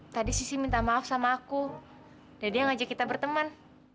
hari itu aku gak religious kan